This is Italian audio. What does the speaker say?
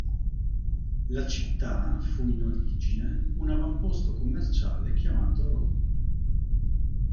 La città fu in origine un avamposto commerciale chiamato Row.